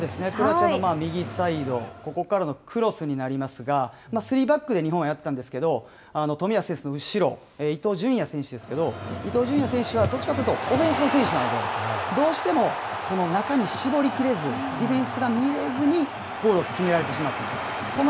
クロアチアの右サイド、ここからのクロスになりますが、スリーバックで日本はやってたんですけど、冨安選手の後ろ、伊東純也選手ですけど、伊東純也選手はどっちかというとオフェンスの選手なんで、どうしても中に絞り切れずに、ディフェンスが見えずにゴールを決められてしまった。